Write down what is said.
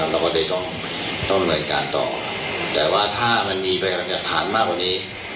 เราก็ต้องเหนื่อยการต่อแต่ว่าถ้ามันมีรับฐานมากกว่านี้